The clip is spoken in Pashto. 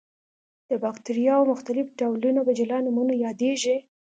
د باکتریاوو مختلف ډولونه په جلا نومونو یادیږي.